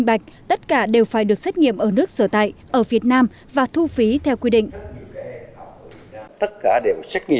bạch tất cả đều phải được xét nghiệm ở nước sở tại ở việt nam và thu phí theo quy định